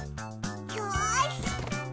よし！